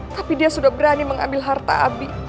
tapi dia sudah berani mengambil harta abi